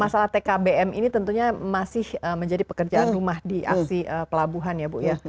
masalah tkbm ini tentunya masih menjadi pekerjaan rumah di aksi pelabuhan ya bu ya